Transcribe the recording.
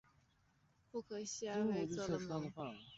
布克西埃苏弗鲁瓦德蒙。